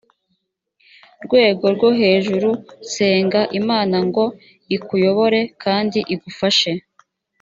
rwego rwo hejuru senga imana ngo ikuyobore kandi igufashe